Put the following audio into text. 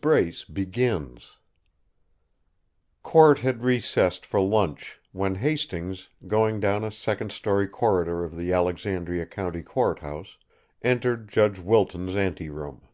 BRACE BEGINS Court had recessed for lunch when Hastings, going down a second story corridor of the Alexandria county courthouse, entered Judge Wilton's anteroom.